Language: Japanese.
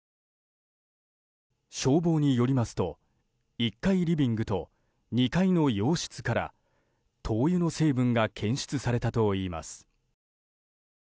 消防によりますと１階リビングと２階の洋室から灯油の成分が検出されたといいます。